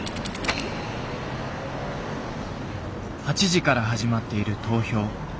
８時から始まっている投票。